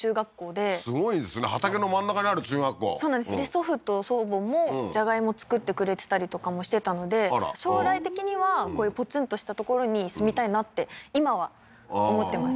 祖父と祖母もじゃがいも作ってくれてたりとかもしてたので将来的にはこういうポツンとした所に住みたいなって今は思ってます